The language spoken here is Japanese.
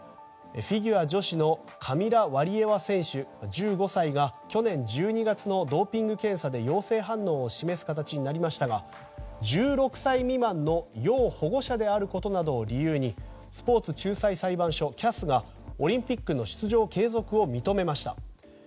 フィギュア女子のカミラ・ワリエワ選手、１５歳が去年１２月のドーピング検査で陽性反応を示す形になりましたが１６歳未満の要保護者であることなどを理由にスポーツ仲裁裁判所・ＣＡＳがオリンピックの出場継続を認めました。